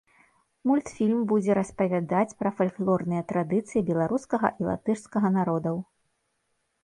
Мультфільм будзе распавядаць пра фальклорныя традыцыі беларускага і латышскага народаў.